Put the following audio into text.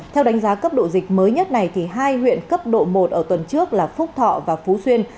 theo đánh giá cấp độ dịch mới nhất này hai huyện cấp độ một ở tuần trước là phúc thọ và phú xuyên